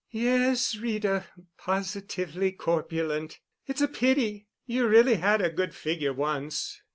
"Yes, Rita, positively corpulent. It's a pity. You really had a good figure once."